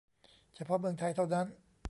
เฉพาะเมืองไทยเท่านั้น !